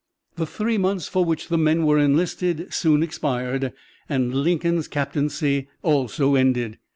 The three months for which the men were enlisted soon expired, and Lincoln's captaincy also ended.